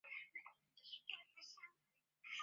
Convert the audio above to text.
蓝刺鹤虱为紫草科鹤虱属的植物。